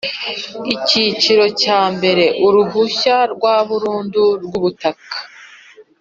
Icyiciro cya mbere Uruhushya rwa burundu rwubutaka